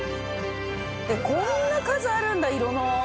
こんな数あるんだ色の。